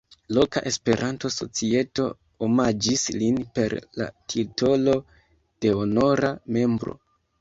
Loka Esperanto-societo omaĝis lin per la titolo de honora membro.